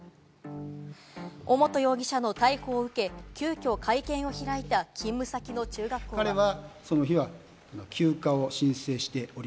尾本容疑者の逮捕を受け、急遽会見を開いた勤務先の中学校は。